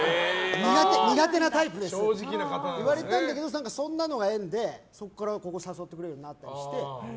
苦手なタイプですって言われたんだけどそんなのが縁で、そこから誘ってくれるようになって。